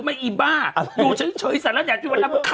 ดูมั้ยบ้าอะไร